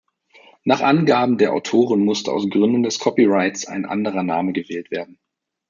Nach Angaben der Autoren musste aus Gründen des Copyrights ein anderer Name gewählt werden.